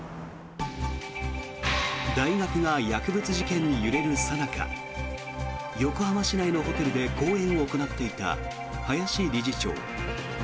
大学が薬物事件に揺れるさなか横浜市内のホテルで講演を行っていた林理事長。